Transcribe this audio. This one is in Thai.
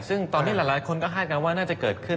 ซึ่งตอนนี้หลายคนก็คาดการณ์ว่าน่าจะเกิดขึ้น